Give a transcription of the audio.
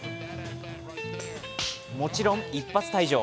もちろん一発退場。